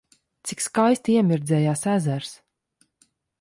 Cik skaisti iemirdzējās ezers!